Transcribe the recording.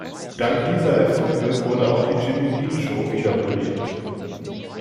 Dank dieser Erfolge wurde auch die Jimmy-Dean-Show wiederbelebt.